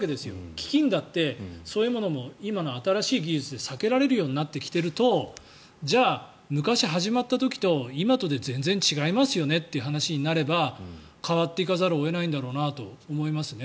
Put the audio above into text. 飢きんだってそういうものも今の新しい技術で避けられるようになってきているとじゃあ、昔、始まった時と今とで全然違いますよねという話になれば変わっていかざるを得ないんだろうなと思いますね。